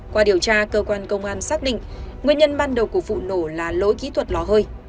qua điều tra cơ quan công an xác định nguyên nhân ban đầu của vụ nổ là lỗi kỹ thuật lò hơi